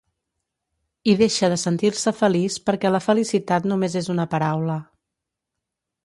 I deixa de sentir-se feliç perquè la felicitat només és una paraula.